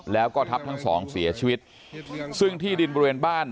แล้วก็ทับทั้งสองเสียชีวิตซึ่งที่ดินบริเวณบ้าน